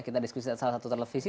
kita diskusi salah satu televisi